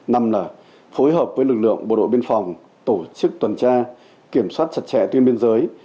năm là phối hợp với lực lượng bộ đội biên phòng tổ chức tuần tra kiểm soát chặt chẽ tuyên biên giới